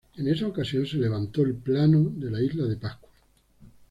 En esa ocasión se levantó el plano de la Isla de Pascua.